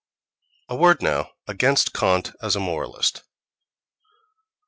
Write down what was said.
A word now against Kant as a moralist.